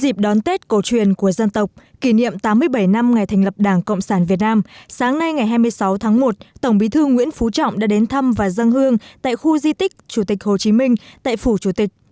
dịp đón tết cổ truyền của dân tộc kỷ niệm tám mươi bảy năm ngày thành lập đảng cộng sản việt nam sáng nay ngày hai mươi sáu tháng một tổng bí thư nguyễn phú trọng đã đến thăm và dân hương tại khu di tích chủ tịch hồ chí minh tại phủ chủ tịch